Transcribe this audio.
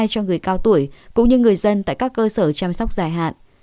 cho người cao tuổi cũng như người dân tại các cơ sở chăm sóc dài hạn